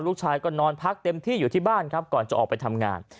ลูกชายก็นอนพักเต็มที่อยู่ที่บ้านครับก่อนจะออกไปทำงาน